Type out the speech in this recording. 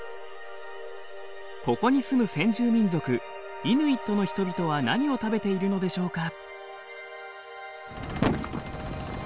ここに住む先住民族イヌイットの人々は何を食べているのでしょうか？